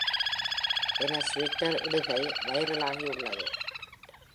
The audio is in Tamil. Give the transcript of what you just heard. எனது ட்விட்டர் இடுகை வைரலாகியுள்ளது.